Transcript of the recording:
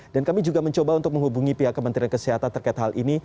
dan kami juga mencoba untuk menghubungi pihak kementerian kesehatan terkait hal ini